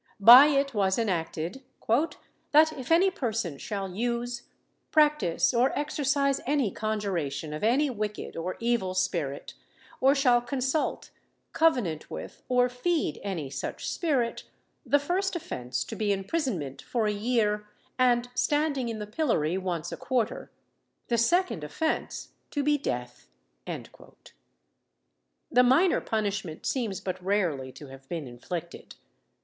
By it was enacted, "That if any person shall use, practise, or exercise any conjuration of any wicked or evil spirit, or shall consult, covenant with, or feed any such spirit, the first offence to be imprisonment for a year, and standing in the pillory once a quarter; the second offence to be death." The minor punishment seems but rarely to have been inflicted.